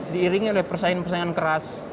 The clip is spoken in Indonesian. diiringi oleh persaingan persaingan keras